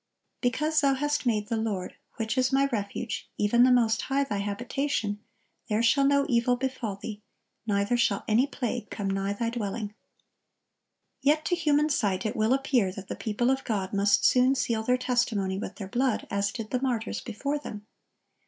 Because thou hast made the Lord, which is my refuge, even the Most High, thy habitation; there shall no evil befall thee, neither shall any plague come nigh thy dwelling."(1081) Yet to human sight it will appear that the people of God must soon seal their testimony with their blood, as did the martyrs before them.